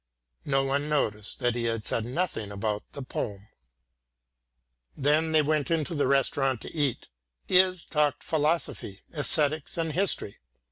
No one noticed that he said nothing about the poem. Then they went into a restaurant to eat. Is talked philosophy, æsthetics and history.